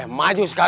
aku mau ke sana